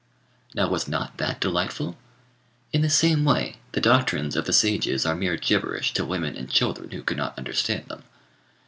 Now, was not that delightful? In the same way the doctrines of the sages are mere gibberish to women and children who cannot understand them.